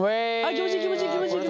気持ちいい気持ちいい気持ちいい。